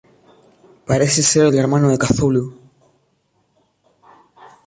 Parece ser el hermano de Cthulhu.